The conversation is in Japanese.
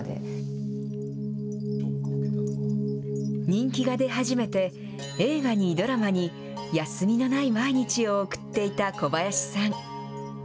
人気が出始めて、映画に、ドラマに、休みのない毎日を送っていた小林さん。